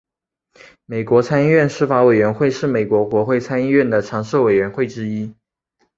美国参议院司法委员会是美国国会参议院的常设委员会之一。